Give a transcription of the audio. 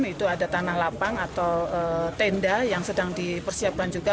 itu ada tanah lapang atau tenda yang sedang dipersiapkan juga